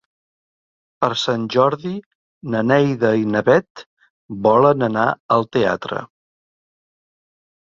Per Sant Jordi na Neida i na Bet volen anar al teatre.